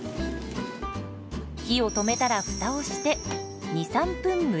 火を止めたらフタをして２３分蒸らします。